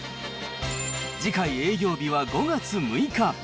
次回営業日は５月６日。